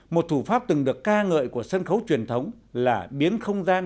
một thủ pháp từng được ca ngợi của sân khấu truyền thống là biến không gian